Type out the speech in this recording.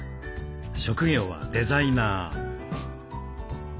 職業はデザイナー。